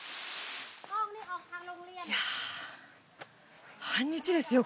いや半日ですよ